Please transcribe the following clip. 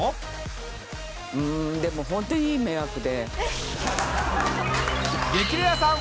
うーんでもホントにいい迷惑で。